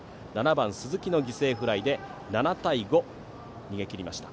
７番、鈴木の犠牲フライで７対５逃げ切りました。